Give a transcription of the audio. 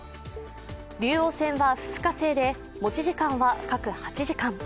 竜王戦は２日制で持ち時間は各８時間。